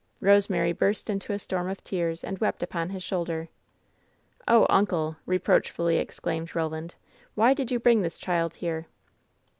Eosemary burst into a storm of tears and wept upon his shoulder. "Oh, uncle !" reproachfully exclaimed Eoland, "why did you bring this child here